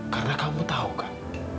karena kamu tahu kak